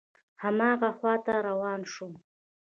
هماغه خواته روان شوم.